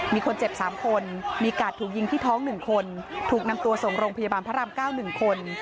มีคนเจ็บ๓คนมีกาดถูกยิงที่ท้อง๑คนถูกนำตัวส่งโรงพยาบาลพระราม๙๑คน